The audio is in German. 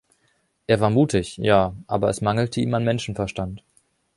Er war mutig, ja, aber es mangelte ihm an Menschenverstand.